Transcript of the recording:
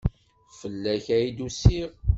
Fell-ak ay d-usiɣ.